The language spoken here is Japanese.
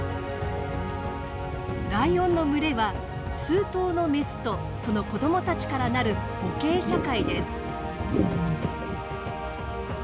ライオンの群れは数頭のメスとその子どもたちからなる母系社会です。